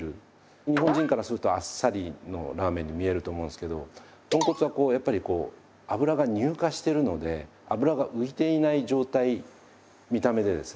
日本人からするとあっさりのラーメンに見えると思うんですけど豚骨はやっぱり脂が乳化してるので脂が浮いていない状態見た目でですね。